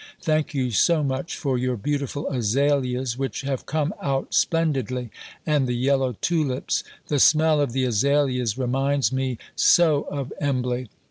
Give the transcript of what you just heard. Thank you so much for your beautiful Azaleas which have come out splendidly, and the yellow tulips. The smell of the Azaleas reminds me so of Embley.